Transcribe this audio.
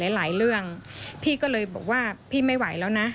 หลายเรื่องพี่ก็เลยบอกว่าพี่ไม่ไหวแล้วนะ